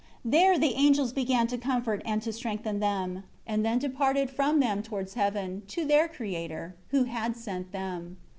There the angels began to comfort and to strengthen them, and then departed from them towards heaven, to their Creator, who had sent them.